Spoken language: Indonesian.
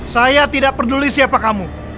saya tidak peduli siapa kamu